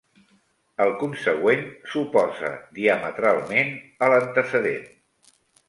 El consegüent s'oposa diametralment a l'antecedent.